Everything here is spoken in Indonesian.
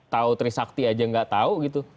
tahu trisakti aja nggak tahu gitu